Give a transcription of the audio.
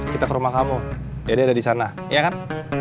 kita ke rumah kamu dede ada disana iya kan